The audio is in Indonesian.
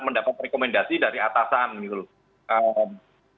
mendapat rekomendasi dari atasan gitu loh